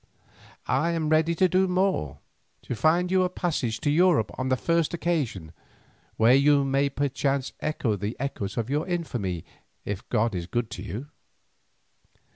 I am ready to do more, to find you a passage to Europe on the first occasion, where you may perchance escape the echoes of your infamy if God is good to you.